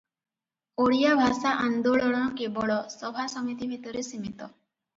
ଓଡ଼ିଆ ଭାଷା ଆନ୍ଦୋଳନ କେବଳ ସଭାସମିତି ଭିତରେ ସୀମିତ ।